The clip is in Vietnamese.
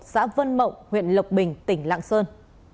xã vân mộng huyện lộc bình tỉnh lạng sơn